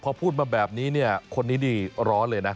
พอพูดมาแบบนี้เนี่ยคนนี้นี่ร้อนเลยนะ